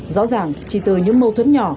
rõ ràng chỉ từ những mâu thuẫn nhỏ